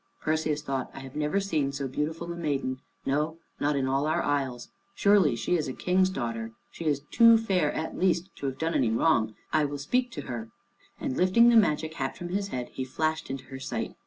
Perseus thought, "I have never seen so beautiful a maiden, no, not in all our isles. Surely she is a king's daughter. She is too fair, at least, to have done any wrong. I will speak to her," and, lifting the magic hat from his head, he flashed into her sight.